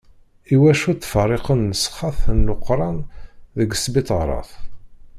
Iwacu ttferriqen nnesxat n Leqran deg sbiṭarat?